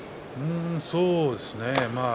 そうですね。